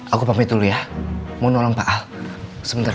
aku pamit dulu ya mau nolong pak ahok sebentar